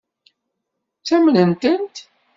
Ttamnen-tent?